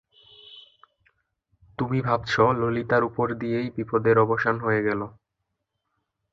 তুমি ভাবছ ললিতার উপর দিয়েই বিপদের অবসান হয়ে গেল।